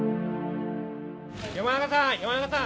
山中さん！